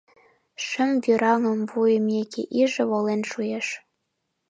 Шым вӱраҥым шуйымеке иже волен шуэш.